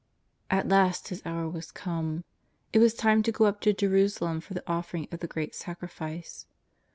At last His hour was come. It was time to go up to Jerusalem for the offering of the Great Sacrifice.